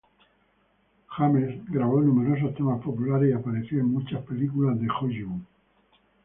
James grabó numerosos temas populares y apareció en muchas películas de Hollywood.